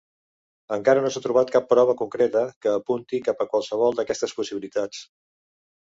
Encara no s'ha trobat cap prova concreta que apunti cap a qualsevol d'aquestes possibilitats.